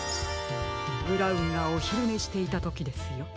ブラウンがおひるねしていたときですよ。